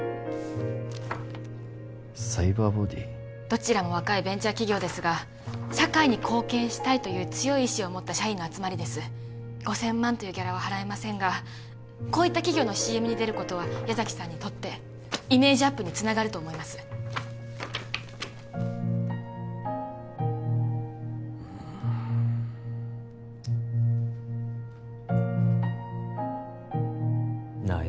どちらも若いベンチャー企業ですが社会に貢献したいという強い意志を持った社員の集まりです５０００万というギャラは払えませんがこういった企業のＣＭに出ることは矢崎さんにとってイメージアップにつながると思いますなあ